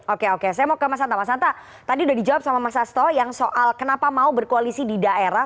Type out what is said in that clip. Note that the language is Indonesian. oke oke saya mau ke mas hanta mas hanta tadi sudah dijawab sama mas asto yang soal kenapa mau berkoalisi di daerah